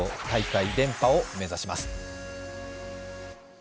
大会連覇を目指します。